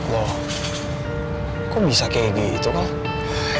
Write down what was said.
wah kok bisa kayak gitu noh